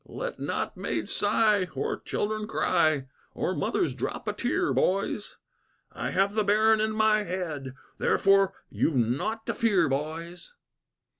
"Let not maids sigh, or children cry, Or mothers drop a tear, boys; I have the Baron in my head, Therefore you've nought to fear, boys.